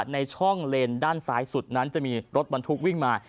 ในช่องเลนด้านซ้ายสุดนั้นจะมีรถบรรทุกวิ่งมา